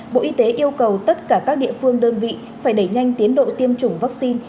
bộ y tế yêu cầu tất cả các địa phương đơn vị phải đẩy nhanh tiến độ tiêm chủng vaccine